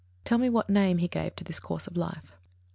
_Tell me what name he gave to this course of life?